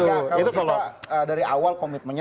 kalau kita dari awal komitmennya